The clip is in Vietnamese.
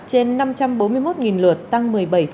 trên năm trăm bốn mươi một lượt tăng một mươi bảy